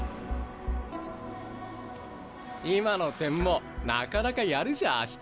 今の点もなかなかやるじゃ葦人！